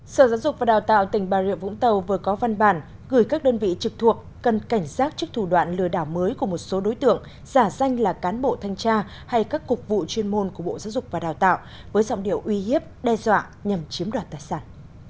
sở giáo dục và đào tạo tỉnh bà rịa vũng tàu vừa có văn bản gửi các đơn vị trực thuộc cần cảnh giác trước thủ đoạn lừa đảo mới của một số đối tượng giả danh là cán bộ thanh tra hay các cục vụ chuyên môn của bộ giáo dục và đào tạo với giọng điệu uy hiếp đe dọa nhằm chiếm đoạt tài sản